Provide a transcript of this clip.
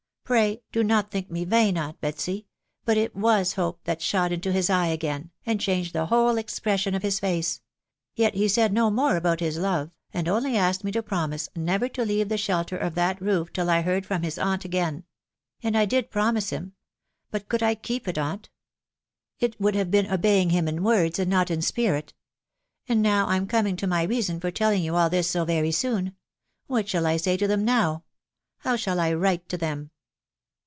pray, do not think me vain, aunt Betsy, — but it was hope that shot into his eye again, and changed the whole expression of his face ;.... yet he said no more about hi» love, and only asked rat to ^oro^ ^s to leave the shelter of that roof till I \irct& ixcrrcv \Cys> «sss*. 898 THE WIDOW BARNABY. again. ... And I did promise him* .•. Bat could I keep it, aunt ?.... It would have been obeying him in words, tmd not in spirit. ... And now I'm coming to my reason for tell ing you all this so very soon. ... What shall I say to now? How shall I write to them?"